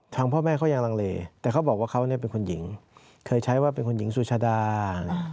แต่เขาบอกว่าเขาเป็นคุณหญิงเคยใช้ว่าเป็นคุณหญิงสูชาดา